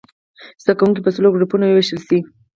زده کوونکي په څلورو ګروپونو ووېشل شي.